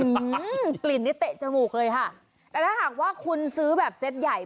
อืมกลิ่นนี้เตะจมูกเลยค่ะแต่ถ้าหากว่าคุณซื้อแบบเซ็ตใหญ่